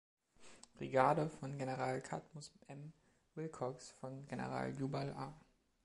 Brigade von General Cadmus M. Wilcox von General Jubal A.